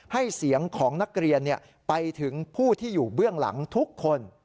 เสียงของนักเรียนไปถึงผู้ที่อยู่เบื้องหลังทุกคน